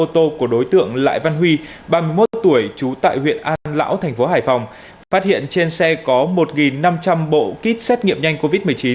hai mươi một tuổi trú tại huyện an lão thành phố hải phòng phát hiện trên xe có một năm trăm linh bộ kit xét nghiệm nhanh covid một mươi chín